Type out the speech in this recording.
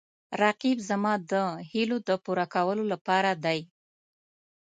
رقیب زما د هیلو د پوره کولو لپاره دی